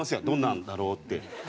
どんなんだろうって。